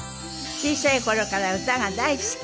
小さい頃から歌が大好き。